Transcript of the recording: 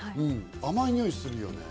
甘いにおいするよね。